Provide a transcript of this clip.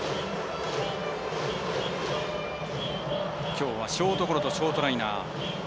きょうはショートゴロとショートライナー。